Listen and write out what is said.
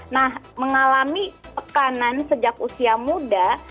nah mengalami tekanan sejak usia muda